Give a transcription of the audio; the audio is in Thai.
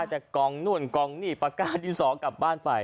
แต่กองนู่นกองนี่ปากกาดินสอกลับบ้านไป